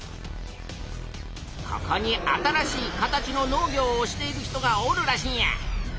ここに新しい形の農業をしている人がおるらしいんや。